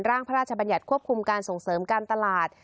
พระราชบัญญัติควบคุมการส่งเสริมการตลาด